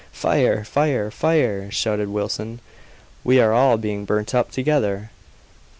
"Fire! fire! fire!" shouted Wilson; "we are all being burnt up together!"